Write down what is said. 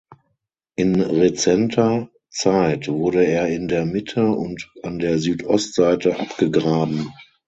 In rezenter Zeit wurde er in der Mitte und an der Südostseite abgegraben.